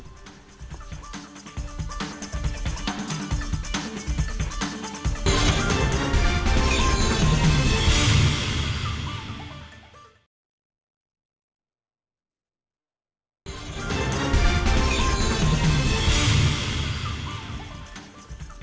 bagaimana sebenarnya bunyi elektabilitas partai golkar